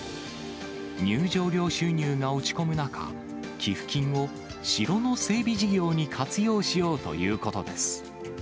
入場料収入が落ち込む中、寄付金を城の整備事業に活用しようということです。